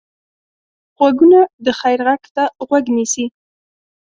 غوږونه د خیر غږ ته غوږ نیسي